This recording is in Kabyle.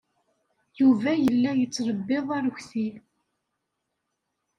Yuba yella yettlebbiḍ arekti.